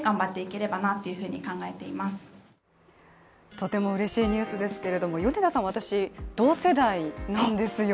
とてもうれしいニュースですけど米田さん、私、同世代なんですよ。